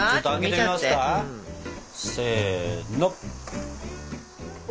ちょっと開けてみますか？